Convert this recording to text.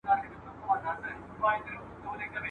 بیا آدم بیا به رباب وي بیا درخو بیا به شباب وي ..